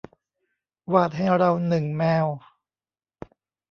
วาดให้เราหนึ่งแมว